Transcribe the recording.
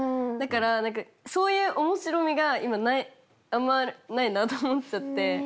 だからそういう面白みが今あんまないなと思っちゃって。